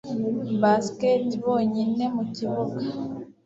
basket bonyine mukibuga